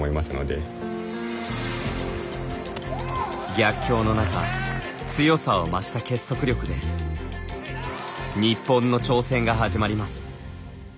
逆境の中強さを増した結束力で日本の挑戦が始まります。